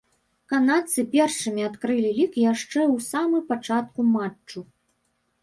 Канадцы першымі адкрылі лік яшчэ ў самы пачатку матчу.